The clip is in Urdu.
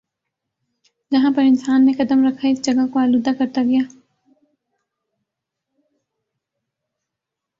جہاں پر انسان نے قدم رکھا اس جگہ کو آلودہ کرتا گیا